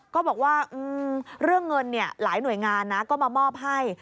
ก็บอกว่าเรื่องเงินหลายหน่วยงานนะก็มามอบให้